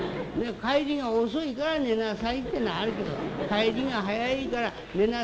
『帰りが遅いから寝なさい』ってのはあるけど『帰りが早いから寝なさい』